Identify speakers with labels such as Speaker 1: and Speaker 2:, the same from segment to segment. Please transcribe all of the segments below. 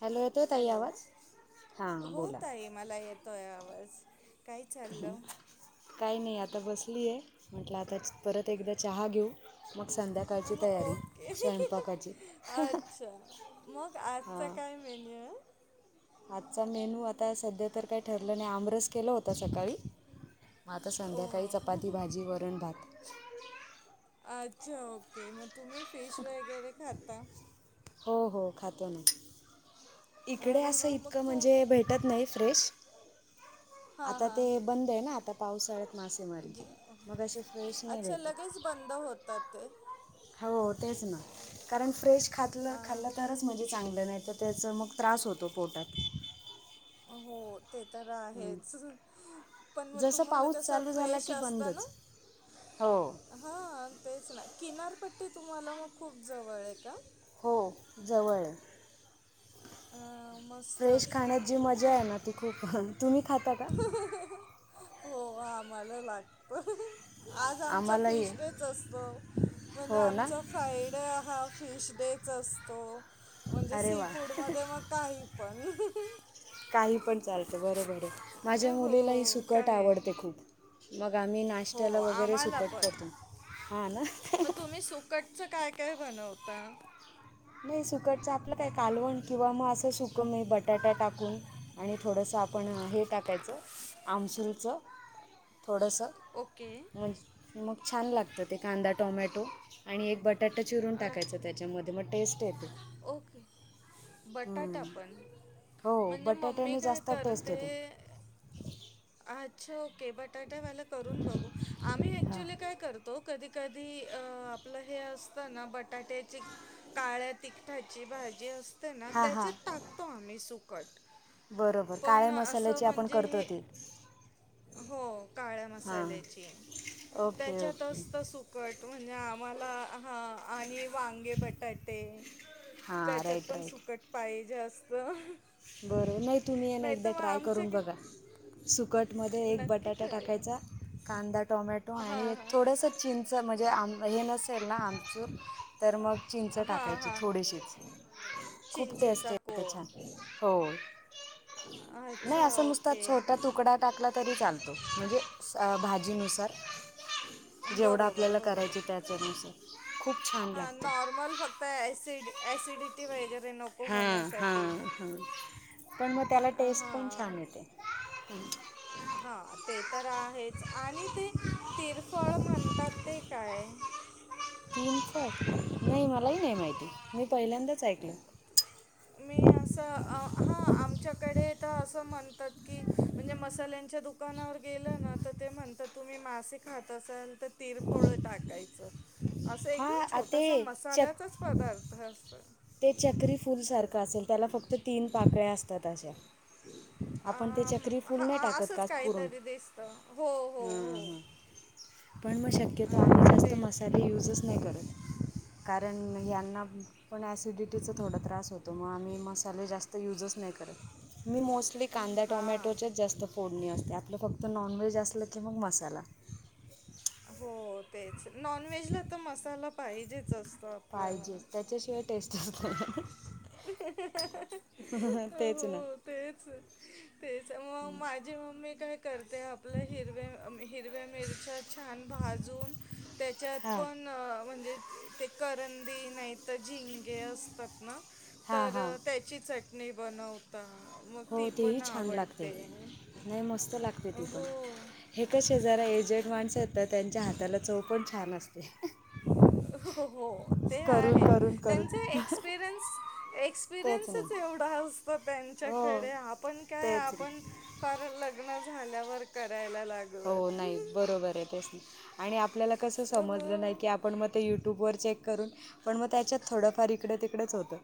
Speaker 1: Hello येतोय ताई आवाज?
Speaker 2: हॅलो
Speaker 1: हां बोला.
Speaker 2: ताई आहे मला येतोय आवाज काय चाललं
Speaker 1: काही नाही आ आता बसलीयाय म्हटलं आता परत एकदा चहा घेऊ मग संध्याकाळची
Speaker 2: हो,
Speaker 1: तयारी
Speaker 2: ओके
Speaker 1: स्वयंपाकाची
Speaker 2: अच्छा मग
Speaker 1: हा
Speaker 2: आजचा काय मेन्यू
Speaker 1: आजचा मेनू आता सध्या तर काय ठरलं नाइ आमरस केला होता सकाळी म आता संध्याकाळी
Speaker 2: ओ
Speaker 1: चपाती भाजी वरन भात
Speaker 2: अच्छा ओके मग तुम्ही फिश वगैरे खाता
Speaker 1: हो हो खातो ना इकडे
Speaker 2: अरे
Speaker 1: असं
Speaker 2: वा मग
Speaker 1: इतकं
Speaker 2: तू
Speaker 1: म्हणजे भेटत नाहीत फ्रेश
Speaker 2: हां
Speaker 1: आता ते
Speaker 2: हां
Speaker 1: बंद ना आता पावसाळ मासेमारी
Speaker 2: ज
Speaker 1: मग अशे फ्रेश नाही
Speaker 2: अच्छा
Speaker 1: भेटत
Speaker 2: लगेच बंद होतात ते
Speaker 1: हो तेच ना कारण फ्रेश खातल
Speaker 2: हां
Speaker 1: खालल तरच मजे चांगलं नाही तर त्याच मग त्रास होतो पोटात
Speaker 2: हो हो ते तर
Speaker 1: हं.
Speaker 2: आहेच पण मग
Speaker 1: जसं
Speaker 2: तुम्हाला
Speaker 1: पाऊस
Speaker 2: कसं
Speaker 1: चालू झाला
Speaker 2: फ्रेश
Speaker 1: की
Speaker 2: असत ना
Speaker 1: बंदच हो
Speaker 2: हा तेच ना किनारपट्टी तुम्हाला मग खूप जवळ आहे का
Speaker 1: हो जवळ
Speaker 2: अ
Speaker 1: फ्रेश खाण्यात जी मजा आहे ना ती खूप तुम्ही खाता का
Speaker 2: हो आम्हाला लागत आज आमचा
Speaker 1: आम्हालाही
Speaker 2: फिश
Speaker 1: आहे.
Speaker 2: डेच असतो म्हणजे
Speaker 1: हो ना
Speaker 2: आमचा फ्रायडे आा फिश डेच असतो म्हणजे
Speaker 1: अरे
Speaker 2: सी
Speaker 1: वा
Speaker 2: फूडमध्येध्ये मग काही पण
Speaker 1: काही पण चालत बरोबर आहे माझ्या मुलीलाही
Speaker 2: हो
Speaker 1: सुकट
Speaker 2: काही
Speaker 1: आवडते खूप मग आा मी
Speaker 2: हो
Speaker 1: नाशत्याला वगैरे
Speaker 2: आम्हाला
Speaker 1: सुपट
Speaker 2: पण
Speaker 1: करतो हां ना
Speaker 2: मग तुम्ही सुकटचं काय काय बनवता
Speaker 1: नाही सुकाटच आपलं काय कालवण किंवा मग असं सुक म बटाट्या टाकून आणि थोडस आपण हे टाकायचं आमसूरचं थोडंसं
Speaker 2: ओके
Speaker 1: मज मग छान लागतं ते कांदा टोमॅटो आणि एक बट बटाटा चिरून
Speaker 2: अ,
Speaker 1: टाकायचं त्याच्यामध्ये मग टेस्ट येते
Speaker 2: ओके.
Speaker 1: हं.
Speaker 2: बटाटा पण
Speaker 1: हो
Speaker 2: म्हणजे मम्मी
Speaker 1: बटाट्याने
Speaker 2: काय
Speaker 1: जास्त टेस्ट
Speaker 2: करते.
Speaker 1: येते
Speaker 2: अच्छा ओके बटाटावाला करून बघू आम्ही
Speaker 1: हां
Speaker 2: ऍक्च्युली काय करतो कधी कधी अ आपलं हे असत ना बटाट्याची काळ्या तिक ठाची भाजी असते ना
Speaker 1: हां हां
Speaker 2: त्याचेत टाकतो आम्ही सुक
Speaker 1: बरोबर काळे्या मसाल्याची आपण
Speaker 2: म्हणजे
Speaker 1: करतो
Speaker 2: हे
Speaker 1: त
Speaker 2: हो काळ्या मसाल्याची
Speaker 1: ओके ओके
Speaker 2: त्याच्यातत सुकट म्हणजे आम्हाला हा आणि वांगे बटाटे
Speaker 1: हां
Speaker 2: त्याच्यात
Speaker 1: राईट
Speaker 2: पण
Speaker 1: राईट
Speaker 2: सुकट पायज जास्त.
Speaker 1: बरं नाही तुम्ही ये ना एकदा ट्राय
Speaker 2: आमच्या
Speaker 1: करून बघा सुकट. मध्ये एक
Speaker 2: नक्की
Speaker 1: बटाटा
Speaker 2: करेल.
Speaker 1: टाकायचा कांदा टोमॅटो आणि
Speaker 2: हां, हां.
Speaker 1: थोडस चिं ं म्हणजे आम हे नसेल ना आमचं. तर मग चिंच
Speaker 2: हां,
Speaker 1: टाकायची
Speaker 2: हां.
Speaker 1: थोडीशीच खूप टेस्ट
Speaker 2: चिंचेचा
Speaker 1: आहे त्या
Speaker 2: कोळ.
Speaker 1: छान. हो नाही
Speaker 2: अच्छा
Speaker 1: असं नुसत
Speaker 2: ओके
Speaker 1: छोटा तुकडा टाकला तरी चालतो म्हणजे भाजीनुसार जेवढा
Speaker 2: बरोबर
Speaker 1: आपल्याला करायच त्याचनुसार
Speaker 2: हा नॉर्मल फक्त एसि एसिडिटी वहिजे.
Speaker 1: हा हा हा पण मग त्याला
Speaker 2: अ
Speaker 1: टेस्ट पण छान येते.
Speaker 2: हा ते तर आहेच. आणि ते तिरफळ म्हणतात ते काय?
Speaker 1: तीन स नाही मलाही नाही माहिती मी पहिल्यांदाच ऐकल.
Speaker 2: मी असं हां आमच्याकडे तर असं म्हणतात की म्हणजे मसाल्यांच्या दुख दुकानावर गेलं ना तर ते म्हणत तुम्ही मासे खात असाल तर तिरफोळ टाकायचं. असं
Speaker 1: हा
Speaker 2: एकदम
Speaker 1: आ ते
Speaker 2: छोटासा
Speaker 1: चक
Speaker 2: मसाल्याचाच पदार्थ असत.
Speaker 1: ते चक्री फूलसारखं असेल त्याला फक्त तीन पाकळ्या असतात अशा आपण ते
Speaker 2: आम
Speaker 1: चक्री
Speaker 2: हा
Speaker 1: फुलणे
Speaker 2: आ-
Speaker 1: टाकत
Speaker 2: असंच
Speaker 1: कास पुूरण.
Speaker 2: काहीतरी दिसतं हो हो
Speaker 1: ह
Speaker 2: हो.
Speaker 1: हां पण मग
Speaker 2: अ
Speaker 1: शक्यतो आम्ही जास्त
Speaker 2: तेच
Speaker 1: मसाले यूजच नाही करत. कारण यांना पण ॲसिडिटीचां थोडा त्रास होतो मग आम्ही मसाले जास्त यूजच नाही करत. मी मोस्टली कांदा
Speaker 2: हां.
Speaker 1: टोमॅटोचे जास्त फोड. असते आपलं फक्त नॉनव्हेज असलं की मग मसाला
Speaker 2: हो तेच नॉनव्हेज ला तर मसाला पाहिजे.
Speaker 1: पाहिजे त्याच्याशिवाय टेस्ट असत. तेच ना.
Speaker 2: हो तेच तेच मग माझी मम्मी काय करते. ते आपल्या हिरव्या हिरव्या मिरच्या छान भाजून त्याच्यात
Speaker 1: हां
Speaker 2: पण म्हणजे? ते करंदी नाही तर झिंगे असतात ना.
Speaker 1: हां हां
Speaker 2: तर त्याची चट. नाही बनवता. मग
Speaker 1: हो
Speaker 2: ती
Speaker 1: तेही
Speaker 2: पण
Speaker 1: छान लागते
Speaker 2: आवडते
Speaker 1: नाही मस्त लागते ती पण
Speaker 2: हो
Speaker 1: हेच. जरा एजेड माणसं आहेत तर. त्यांच्या हाताला चवपण छान असते.
Speaker 2: हो ते
Speaker 1: करून
Speaker 2: आहे
Speaker 1: करून करून
Speaker 2: त्यांचे एक्सपिरयनस.
Speaker 1: तेच ना.
Speaker 2: एक्सपिरियन्सच एवढा असत
Speaker 1: हो
Speaker 2: त्यांच्याकडे आपण काय
Speaker 1: तेच ना.
Speaker 2: आपण फार लग्नात. झाल्यावर कराय.
Speaker 1: हो नाही बरोबर आहे तेच नाही आणि आपल्याला कसं समजलं नाही
Speaker 2: हो.
Speaker 1: की, आपण मग ते यूट्यूबवर चेक. करून पण मग त्याच्यात थोडंफार इकडे तिकडेच होतं.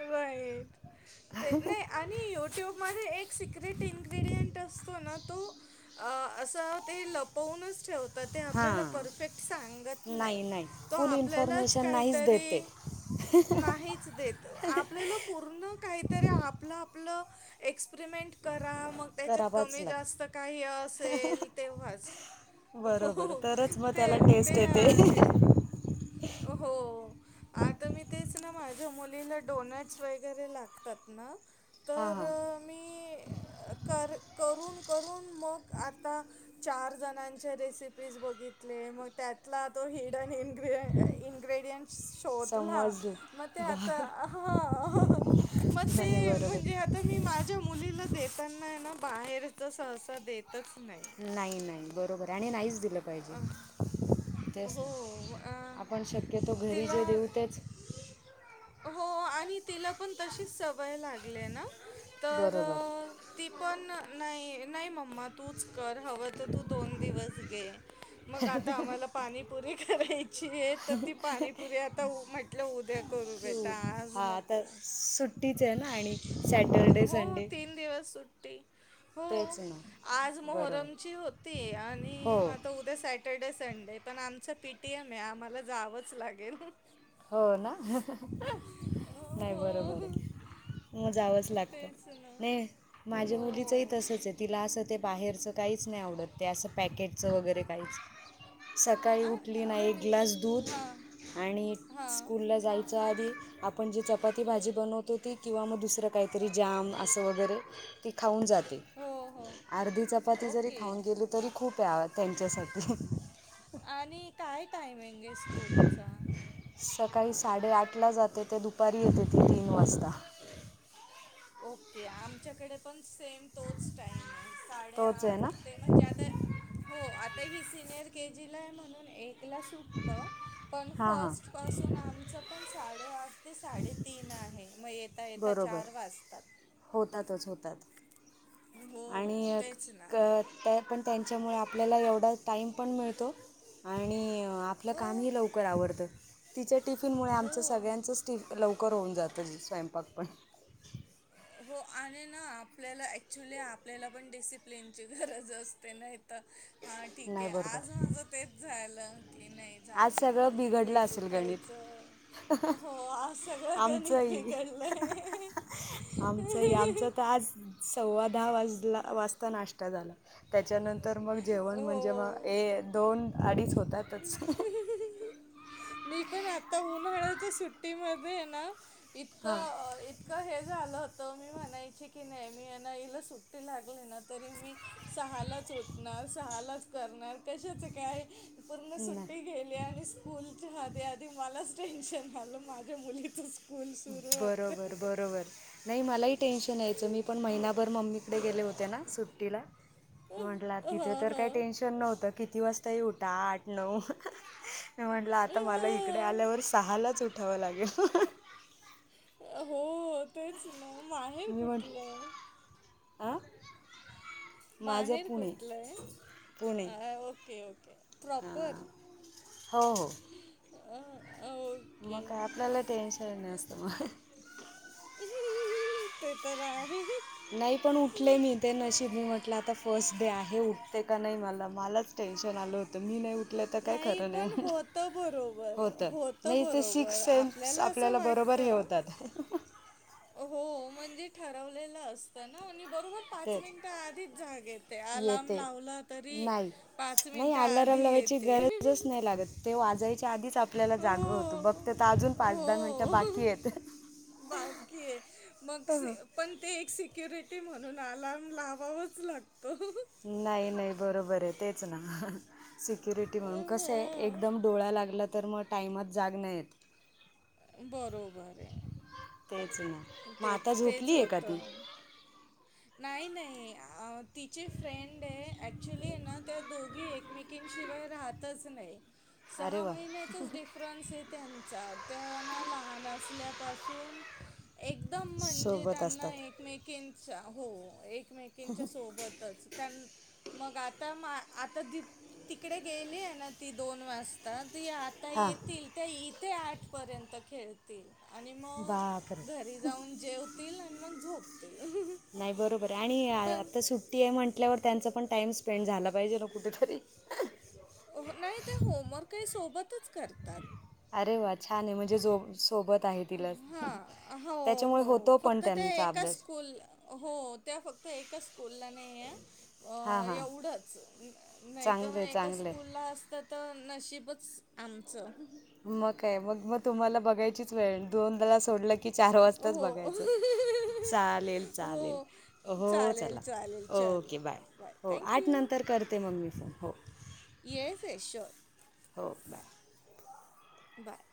Speaker 2: राईट. ते नाही आणि युट्यूब म एक सिक्रेट इन्ग्रेडयंट असतो ना. तो असं ते लपवूनच ठेव त ते आपल्याला
Speaker 1: हां
Speaker 2: परफेक्ट सांगत नाही तो
Speaker 1: फुल
Speaker 2: आपल्यालाच
Speaker 1: इन्फॉर्मेशन नाहीच
Speaker 2: काहीतरी
Speaker 1: देते
Speaker 2: नाहीच देत आपल्या पूर्ण काहीतरी आपल आपल प्रिमेंट करा मग त्याच्यात
Speaker 1: करावाच
Speaker 2: कमी
Speaker 1: लागतं.
Speaker 2: जास्त काही असेल तेव्हाच
Speaker 1: बरोबर
Speaker 2: हो
Speaker 1: तरच मग
Speaker 2: ते
Speaker 1: त्याला टेस्ट
Speaker 2: ते
Speaker 1: येते.
Speaker 2: आहे हो. आता मी तेच ना माझ्या मुलीला डोनटस वगैरे लागतात ना
Speaker 1: हां
Speaker 2: तर
Speaker 1: हां.
Speaker 2: मी कर करून करून मग आता चार जणांच्या रेसिपीज बघितले मग त्यातला तो हिडन इंग्रीय इंग्रॅडीएन्ट शोधला
Speaker 1: समजलं
Speaker 2: म ते आ
Speaker 1: बा
Speaker 2: तर हा म
Speaker 1: नाही
Speaker 2: ते
Speaker 1: बरोबर.
Speaker 2: म्हणजे आता मी माझ्या मुलीला देता नाही ना बाहेरचा सहसा देत
Speaker 1: नाही नाही बरोबर आहे आणि नाहीच दिलं पाहिजे.
Speaker 2: अ,
Speaker 1: तेच
Speaker 2: हो अ
Speaker 1: ना आपण शक्यतो घरी
Speaker 2: तिला
Speaker 1: जे देऊ तेच
Speaker 2: हो आणि तिला पण तशीच सवय लागलीये ना तर
Speaker 1: बरोबर.
Speaker 2: ती पण नाही नाही मम्मा तूच कर हवं तर तू दोन दिवस घे. मग आता आम्हाला पाणीपुरी करायची आहे तर ती पाणीपुरी आता म्हटलं उद्या करू बेटा
Speaker 1: क्यूट
Speaker 2: आज
Speaker 1: हा
Speaker 2: नको
Speaker 1: तर सुट्टीचेना आणि
Speaker 2: हो
Speaker 1: सॅटरडे
Speaker 2: हो
Speaker 1: संडे
Speaker 2: तीन दिवस सुट्टी
Speaker 1: तेच
Speaker 2: हो
Speaker 1: ना
Speaker 2: आज
Speaker 1: बरोबर.
Speaker 2: मोहरमची होती आणि
Speaker 1: हो
Speaker 2: आता उद्या स्याटरडे संडे पण आमच पीटीएम आहे आम्हाला जावंच लागेल.
Speaker 1: हो ना नाही बरोबर
Speaker 2: हो
Speaker 1: आहे मग जावा. वच लागत
Speaker 2: तेच ना
Speaker 1: नाही माझी
Speaker 2: हो
Speaker 1: मुलीचही तसचे तिला असं ते बाहेरचं काहीच नाही आवडत ते असं पॅकेटचं वगैरे काहीच सकाळी
Speaker 2: आ
Speaker 1: उठली
Speaker 2: आ
Speaker 1: ना एक
Speaker 2: म्हणजे
Speaker 1: ग्लास दूध
Speaker 2: हां
Speaker 1: आणि
Speaker 2: हां
Speaker 1: स्कुलला जायच आधी आपण जी चपाती भाजी बनवतो ती किंवा मग दुसरं काहीतरी जाम असं वगैरे ती खाऊन जा ते
Speaker 2: हो हो
Speaker 1: अर्धी चपाती जरी
Speaker 2: ओके
Speaker 1: खाऊन गेली तरी खूपे त्यांच्यासाठी
Speaker 2: आणि काय टाइमिंगे स्कूलचा
Speaker 1: सकाळी साडेआठला जाते ते दुपारी येते ती तीन वाजता
Speaker 2: ओके आमच्याकडे पण सेम तोच टाइमाय.
Speaker 1: तोच आहे ना
Speaker 2: साडेआठ ते म्हणजे आता हो आता ही सिनियर के जीला आहे म्हणून एक कला सुटत पण
Speaker 1: हां हां
Speaker 2: फर्ट पासून आमच पण साडे आठ ते साडेतीन आहे मग येता येता
Speaker 1: बरोबर
Speaker 2: चार वाज
Speaker 1: होतातच होतात
Speaker 2: हो
Speaker 1: आणि
Speaker 2: तेच ना
Speaker 1: त्या पण त्यांच्यामुळे आपल्याला एवढा टाईम पण मिळतो आणि अ आपलं
Speaker 2: हो
Speaker 1: कामही लवकर आवरतं तिच्या टिफिनमुळे आमचं
Speaker 2: हो
Speaker 1: सगळ्यांचंच टि लवकर कर होऊन जातं स्वयंपाक पण
Speaker 2: हो आणि ना आपल्याला ऍक्च्युली आपल्याला पण डिसिप्लिनची गरज असते नाही तर हां ठीक आहे
Speaker 1: नाही
Speaker 2: आज
Speaker 1: बरोबर
Speaker 2: माझं तेच झालं कि नाही जाऊ
Speaker 1: आज
Speaker 2: द्या
Speaker 1: सगळं
Speaker 2: आज
Speaker 1: बिघडलं
Speaker 2: लेट
Speaker 1: असेल गणित
Speaker 2: उठायचं. हो आज सगळं गणित
Speaker 1: आमचंही
Speaker 2: बिघडलंय.
Speaker 1: आमचंही आमचं तर आज सव्वा दहा वाजला वाजता नाश्ता झाला त्या त्याच्यानंतर मग जेवण म्हणजे मग
Speaker 2: हो
Speaker 1: ए दोन अडीच होतातच.
Speaker 2: मी पण आता उन्हाळ्याच्या सुट्टीमध्ये ना
Speaker 1: हां
Speaker 2: इतकं इतकं हे झालं होतं मी म्हणायची की नाही मियेना हिला सुट्टी लागली ना तरी मी सहालाच उठणार सहालाच करणार कशाचं काय पूर्ण
Speaker 1: नाही
Speaker 2: सुट्टी गेली आणि स्कूलच्या आधी आधी मलाच टेन्शन आलं माझ्या मुलीचच
Speaker 1: बरोबर बरोबर नाही मलाही टेन्शन या्यायचं. मी पण महिनाभर मम्मीकडे गेले होते ना सुट्टीला. म्हंटला,
Speaker 2: हा
Speaker 1: तिथे तर
Speaker 2: हा
Speaker 1: काही टेन्शन नव्हतं किती वाजताही उठा, आठ, नऊ. मी म्हटलं आता मला इकडे आल्यावर सहालाच उठ ठावा लागेल.
Speaker 2: हो तेच न. माहेर कुठलंय?
Speaker 1: आं? माझं पुणे. पुणे
Speaker 2: अ ओके ओके. प्रॉपर?
Speaker 1: होव.
Speaker 2: ह
Speaker 1: मग आपल्याला टेनशन नसत म.
Speaker 2: [inaudible] ते तर आहे.
Speaker 1: नाही पण उठले मी. ते नशीब म्हटलं आता फर्स्ट डे आहे उठते का नाही मला मलाच टे टेनशन आल. मी नाही उठले काय खर
Speaker 2: पण
Speaker 1: नाही,
Speaker 2: होतं बरोबर
Speaker 1: होत.
Speaker 2: होतं
Speaker 1: नाही ते
Speaker 2: बरोबर
Speaker 1: सिक्स सेन
Speaker 2: असं
Speaker 1: आपल्याला बरोबर हे
Speaker 2: वाटतं
Speaker 1: होतात.
Speaker 2: हो म्हणजे ठरवलेलं असतं ना बरोबर पाच
Speaker 1: तेच
Speaker 2: मिंट आधीच जाग येते. अलार्म
Speaker 1: येते
Speaker 2: लावला तरी पाच मिनिट आध
Speaker 1: अलार्म लावायची गरजच नाही लागत. ते वाजायच्या आधीच आप आपल्याला जागं होत,
Speaker 2: हो
Speaker 1: बघते तर अजून पाच दहा मिनिटं बाकी येत.
Speaker 2: बाकीय. मग पण ते एक सिक्युरिटी म्हणून अलार्म लावावच लागतो.
Speaker 1: नाही नाही बरोबर आहे तेच ना. सिक्युरिटी म्हणून. कसं आहे एकदम डोळा्या लागला तर मग, टाइमात जाग नाहीे येत
Speaker 2: बरोबर
Speaker 1: तेच ना
Speaker 2: आहे
Speaker 1: मग
Speaker 2: तेच
Speaker 1: आता
Speaker 2: तेच
Speaker 1: झोपली आहे का ती
Speaker 2: होतं. नाही नाही तिची फ्रेंड आहे ॲक्च्युली आहे ना त्या दोघी एकमेकींशिवाय राहतच नाही.
Speaker 1: अरे
Speaker 2: सहा
Speaker 1: वा
Speaker 2: महिन्याचाच डिफरन्स आहे त्यांचा त्यां ना लहान असल्यापासून एकदम म्हणजे
Speaker 1: सोबत
Speaker 2: त्यांना
Speaker 1: असतात
Speaker 2: एकमेकिंच हो. एक एकमेकींच्या सोबतच त्या मग आता मा आता तिकडे गेली आहे ना ती, दोन वासता ती आता
Speaker 1: हां
Speaker 2: येतील. त्या इथे आठ पर्यंत खेळतील. आणि मग
Speaker 1: बापरे
Speaker 2: घरी जाऊन जेवतील आणि मग झोपतील.
Speaker 1: नाही बरोबर आहे आणि
Speaker 2: पण
Speaker 1: आता सुट्टी आहे म्हटल्यावर त्यांचा पण टाइम स्पेंड झाला पाहिजे ना कुठेतरी.
Speaker 2: नाही ते होमवर्क ही सोबतच करतात.
Speaker 1: अरे वा छान म्हणजे जोब सोबत आहे तिला.
Speaker 2: हां, हो,
Speaker 1: त्याच्यामुळे
Speaker 2: हो.
Speaker 1: होतो पण
Speaker 2: फक्त ते
Speaker 1: त्यांचा
Speaker 2: एका
Speaker 1: अभ्यास.
Speaker 2: स्कूल हो, फक्त एकच स्कूलला नाहीय, अ
Speaker 1: हां हां
Speaker 2: एवढच नाही तर
Speaker 1: चांगलं
Speaker 2: मग
Speaker 1: आहे
Speaker 2: एका
Speaker 1: चांगलं आहे
Speaker 2: स्कूलला असत्या तर नशीबच आमचं.
Speaker 1: मग काय. मग मग तुम्हाला बघायचीच वेळ दोनला सोडलं की की चार वाजताच
Speaker 2: हो.
Speaker 1: बघायचं. चालेल चालेल
Speaker 2: हो,
Speaker 1: हो
Speaker 2: चालेल,
Speaker 1: चला,
Speaker 2: चालेल. चल,
Speaker 1: ओके बाय हो
Speaker 2: थँक
Speaker 1: आठ
Speaker 2: यू.
Speaker 1: नंतर करते मग मी फोन हो.
Speaker 2: येस येस शुअर,
Speaker 1: हो बाय
Speaker 2: बाय.